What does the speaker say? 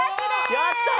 やったー！